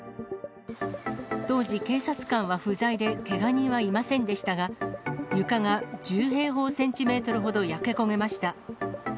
当時、警察官は不在で、けが人はいませんでしたが、床が１０平方センチメートルほど焼け焦げました。